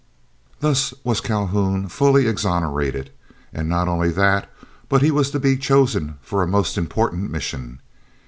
Thus was Calhoun fully exonerated, and not only that, but he was to be chosen for a most important mission.